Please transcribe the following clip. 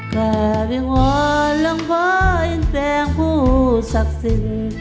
ข้าไปงดลงพออินแปลงผู้ศักดิ์สิน